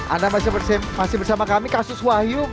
anda masih bersama kami kasus wahyu